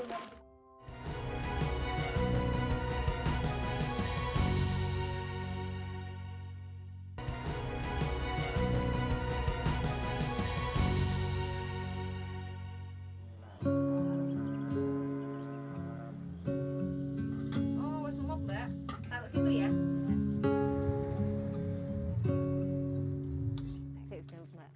taruh di situ ya